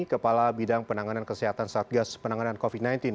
kepala bidang penanganan kesehatan satgas penanganan covid sembilan belas